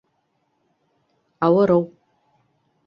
Ауырыу